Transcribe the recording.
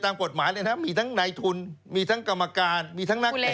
มันมันต้องทำยังไง